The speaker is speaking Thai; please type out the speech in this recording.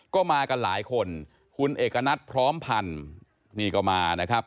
ก็มากันหลายคนคุณเอกณัฐพร้อมพันธ์นี่ก็มานะครับ